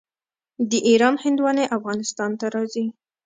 د ایران هندواڼې افغانستان ته راځي.